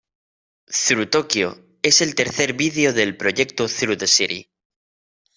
Thru Tokyo es el tercer vídeo del proyecto "Thru the City".